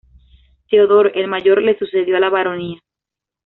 Theodore, el mayor, le sucedió a la baronía.